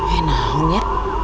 eh nahon ya